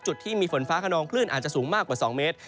จุดที่มีฝนฟ้าขนองคลื่นอาจจะสูงมากกว่า๒เมตร